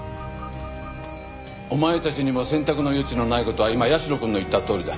お前たちにも選択の余地のない事は今社くんの言ったとおりだ。